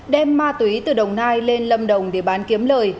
đem ma túy từ đồng nai lên lâm đồng để bán kiếm lời